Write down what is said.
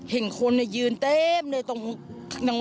เห็นคนเนี่ยยืนเต็มเลยตรง